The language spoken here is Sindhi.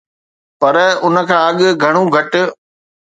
پر ان کان اڳ گهڻو گهٽ